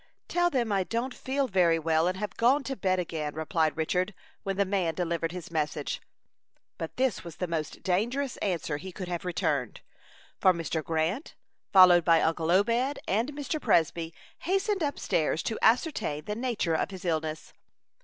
"Tell them I don't feel very well, and have gone to bed again," replied Richard, when the man delivered his message. But this was the most dangerous answer he could have returned; for Mr. Grant, followed by uncle Obed and Mr. Presby, hastened up stairs to ascertain the nature of his illness.